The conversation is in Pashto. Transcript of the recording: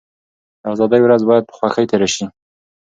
د ازادۍ ورځ بايد په خوښۍ تېره شي.